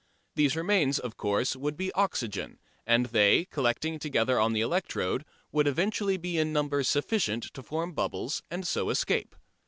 These remains, of course, would be oxygen, and they, collecting together on the electrode, would eventually be in numbers sufficient to form bubbles and so escape.